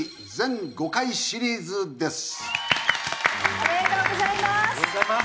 おめでとうございます。